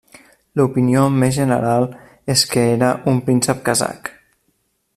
L'opinió més general és que era un príncep kazakh.